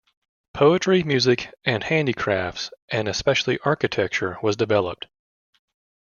Poetry, music and handicrafts and especially architecture was developed.